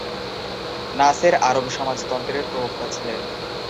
নাসের আরব সমাজতন্ত্রের প্রবক্তা ছিলেন।